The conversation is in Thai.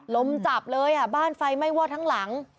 มจับเลยบ้านไฟไหม้วอดทั้งหลัง